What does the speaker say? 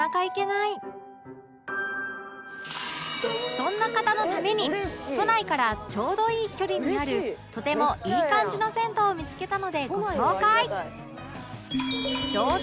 そんな方のために都内からちょうどいい距離にあるとてもいい感じの銭湯を見付けたのでご紹介